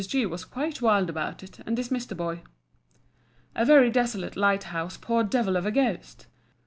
G was quite wild about it, and dismissed the boy." A very desolate lighthouse poor devil of a Ghost!